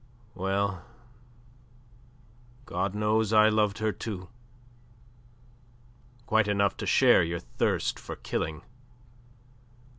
Well, God knows I loved her, too, quite enough to share your thirst for killing.